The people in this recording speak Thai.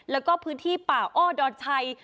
แล้วก็พื้นที่ป่าอ้อดอนชัย